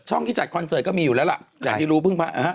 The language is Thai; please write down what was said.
ช่องที่จัดคอนเสิร์ตก็มีอยู่แล้วล่ะอยากที่รู้เพิ่งมา